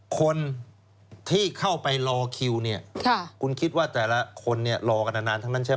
คนที่เข้าไปรอคิวเนี่ยคุณคิดว่าแต่ละคนเนี่ยรอกันนานทั้งนั้นใช่ไหม